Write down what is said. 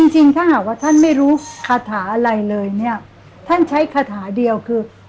จริงถ้าหากว่าท่านไม่รู้คาถาอะไรเลยเนี่ยท่านใช้คาถาเดียวคือ